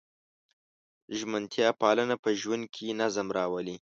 ژمنتیا پالنه په ژوند کې نظم راولي.